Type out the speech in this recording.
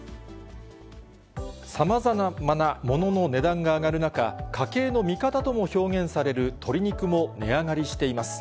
さまざまな物の値段が上がる中、家計の味方とも表現される鶏肉も値上がりしています。